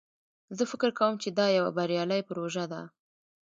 زه فکر کوم چې دا یوه بریالی پروژه ده